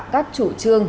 các chủ trương